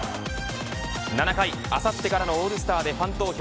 ７回、あさってからのオールスターでファン投票